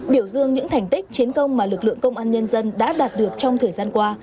biểu dương những thành tích chiến công mà lực lượng công an nhân dân đã đạt được trong thời gian qua